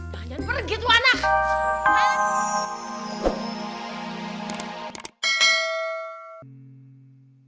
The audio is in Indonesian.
banyan pergi tuh anak